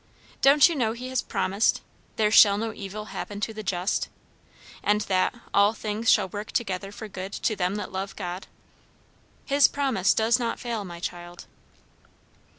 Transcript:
Don't you know he has promised, 'There shall no evil happen to the just'? And that 'all things shall work together for good to them that love God?' His promise does not fail, my child."